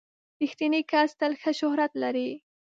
• رښتینی کس تل ښه شهرت لري.